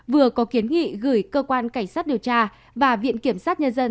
vừa có kiến nghị gửi cơ quan cảnh sát điều tra và viện kiểm sát nhân dân